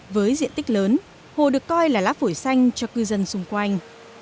với diện tích lớn hồ được coi là lá phổi xanh cho cư dân xung quanh